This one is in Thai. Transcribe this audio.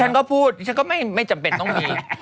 ฉันก็พูดฉันก็ไม่จำเป็นต้องมี